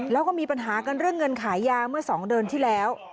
แล้วก็มีปัญหากันเรื่องเงินขายยาเมื่อ๒เดือนที่แล้ว